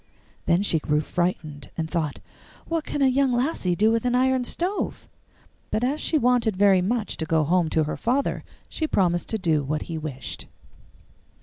Then she grew frightened, and thought, 'What can a young lassie do with an iron stove?' But as she wanted very much to go home to her father, she promised to do what he wished.